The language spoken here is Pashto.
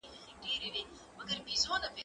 کتابتون له کتابتون ښه دی!.